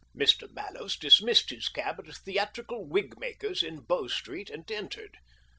Mr. Mallows dismissed his cab at a theatrical wig maker's in Bow Street and entered.